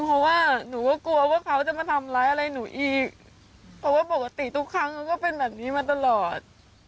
เพราะว่าหนูก็กลัวว่าเขาจะมาทำร้ายอะไรหนูอีกเพราะว่าปกติทุกครั้งมันก็เป็นแบบนี้มาตลอด